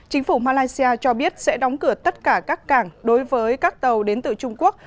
chính phủ malaysia cho biết sẽ đóng cửa tất cả các cảng đối với các tàu đến từ trung quốc